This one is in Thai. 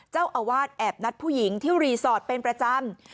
เจ้าอาวาสแอบนัดผู้หญิงที่รีสอร์ทเป็นประจำ